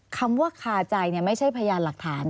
คำว่าคาใจไม่ใช่พยานหลักฐาน